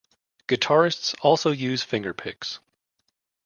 Guitarists also use fingerpicks.